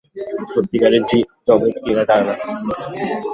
সত্যিকার জগৎ কী, এরা জানে না।